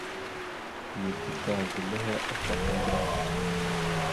Neke ka zal henne asafa gərah.